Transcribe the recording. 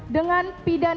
dengan pidana mati